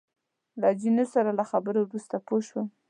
له جینو سره له خبرو وروسته پوه شوم.